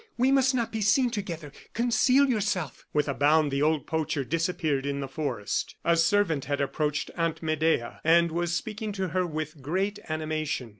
we must not be seen together. Conceal yourself." With a bound the old poacher disappeared in the forest. A servant had approached Aunt Medea, and was speaking to her with great animation.